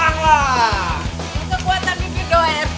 dengan kekuatan bikin doer